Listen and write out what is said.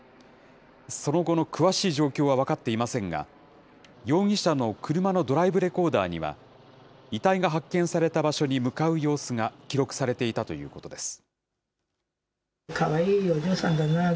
その後の詳しい状況は分かっていませんが、容疑者の車のドライブレコーダーには、遺体が発見された場所に向かう様子が記録されていたということです。